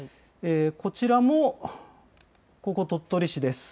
こちらもここ、鳥取市です。